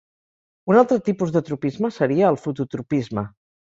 Un altre tipus de tropisme seria el fototropisme.